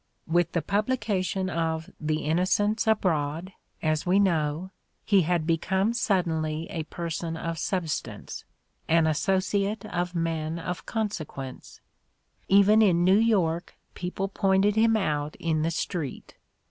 With the publication of "The Innocents Abroad," as we know, "he had become suddenly a person of substance — an associate of men of consequence": even in New York people pointed him out in the street.